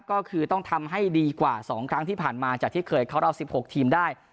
ก็คือต้องทำให้ดีกว่า๒ครั้งที่ผ่านมาจากที่เคยเข้ารอบ๑๖ทีมได้